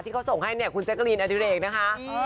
ที่เค้าส่งให้เนี่บที่ขุนเจ๊กอลีนอาทีเรยกนะคะ